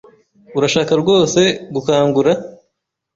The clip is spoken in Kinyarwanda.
Urashaka rwose gukangura ?